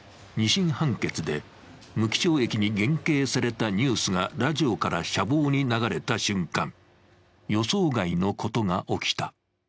２審判決で無期懲役に減刑されたニュースがラジオから舎房に流れた瞬間、予想外のことが起きた。